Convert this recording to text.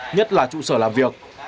nhất là trụ sở làm việc